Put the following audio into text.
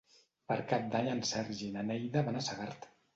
Per Cap d'Any en Sergi i na Neida van a Segart.